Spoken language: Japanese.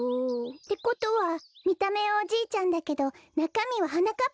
てことはみためはおじいちゃんだけどなかみははなかっ